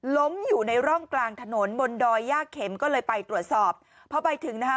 ล้มอยู่ในร่องกลางถนนบนดอยย่าเข็มก็เลยไปตรวจสอบพอไปถึงนะคะ